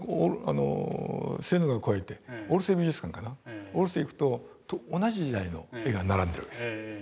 セーヌ川を越えてオルセー美術館かなオルセー行くと同じ時代の絵が並んでるわけです。